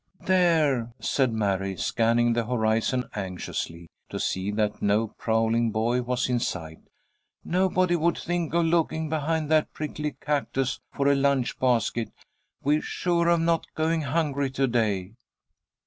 "There," said Mary, scanning the horizon anxiously, to see that no prowling boy was in sight. "Nobody would think of looking behind that prickly cactus for a lunch basket! We're sure of not going hungry to day!"